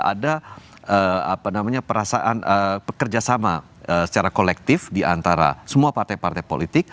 ada apa namanya perasaan pekerja sama secara kolektif diantara semua partai partai politik